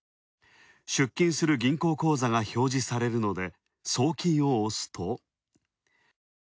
出金する銀行口座が表示されるので送金を押すと。